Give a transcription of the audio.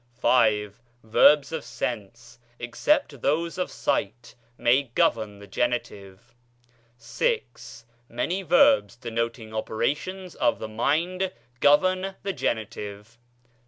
V. Verbs of sense, except those of sight, may govern the genitive. VI. Many verbs denoting operations of the mind govern the genitive.